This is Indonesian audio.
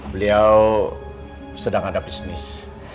beliau sedang ada bisnis